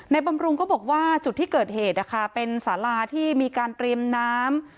บำรุงก็บอกว่าจุดที่เกิดเหตุนะคะเป็นสาราที่มีการเตรียมน้ำ